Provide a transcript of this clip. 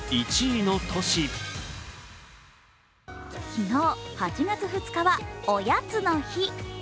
昨日８月２日はおやつの日。